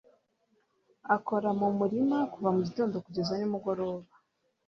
Akora mu murima kuva mu gitondo kugeza nimugoroba